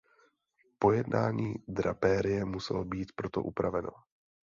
Pojednání drapérie muselo být proto upraveno.